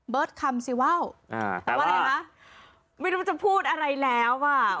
เบิร์ทค่ำสิว่าไม่รู้จะพูดอะไรแล้ว